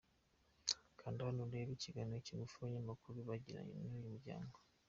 Kanda hano urebe ikiganiro kigufi abanyamakuru bagiranye n’uyu muryango.